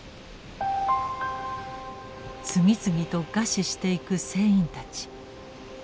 次々と餓死していく船員たち。